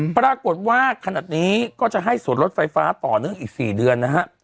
ปรากฏว่าขนาดนี้ก็จะให้ส่วนรถไฟฟ้าต่อเนื่องอีก๔เดือนนะฮะ